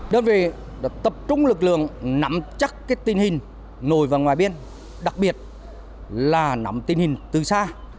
đơn vị đã tập trung lực lượng nắm chắc tình hình nổi vào ngoài biên đặc biệt là nắm tình hình từ xa